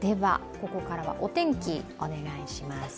ここからはお天気お願いします。